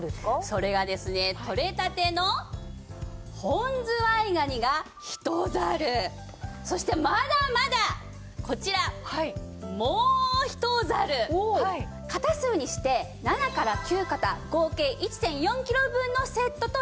それがですねとれたての本ズワイガニがひとざるそしてまだまだこちらもうひとざる肩数にして７から９肩合計１．４キロ分のセットとなっております。